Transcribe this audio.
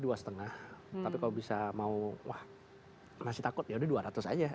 support awalnya dua lima tapi kalau bisa mau wah masih takut ya udah dua ratus aja